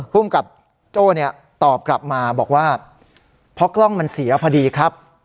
ภูมิกับโจ้เนี่ยตอบกลับมาบอกว่าเพราะกล้องมันเสียพอดีครับ